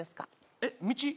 えっ道？